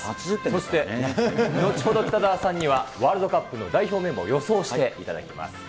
そして後ほど北澤さんには、ワールドカップの代表メンバー予想していただきます。